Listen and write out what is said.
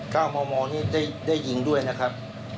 มมนี่ได้ยิงด้วยนะครับ